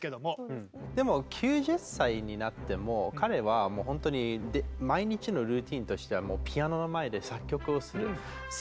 でも９０歳になっても彼はもう本当に毎日のルーチンとしてはピアノの前で作曲をする。